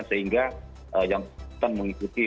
sehingga yang kita mengikuti